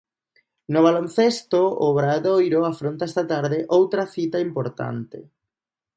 No baloncesto, o Obradoiro afronta esta tarde outra cita importante.